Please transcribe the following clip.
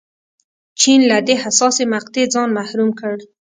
چین له دې حساسې مقطعې ځان محروم کړ.